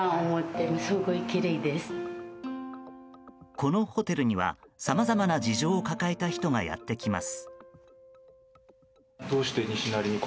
このホテルにはさまざまな事情を抱えた人がやってきます。